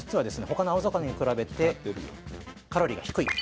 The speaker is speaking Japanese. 他の青魚に比べてカロリーが低い。